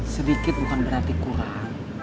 sedikit bukan berarti kurang